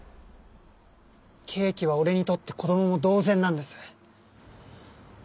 ケーキは俺にとって子供も同然なんです。